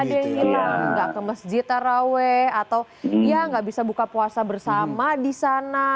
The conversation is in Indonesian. ada yang hilang nggak ke masjid taraweh atau ya nggak bisa buka puasa bersama di sana